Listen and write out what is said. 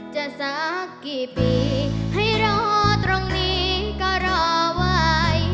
สักกี่ปีให้รอตรงนี้ก็รอไว้